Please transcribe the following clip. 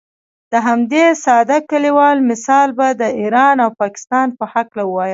د همدې ساده کلیوال مثال به د ایران او پاکستان په هکله ووایم.